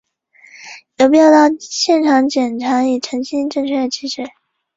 苏士润之侄。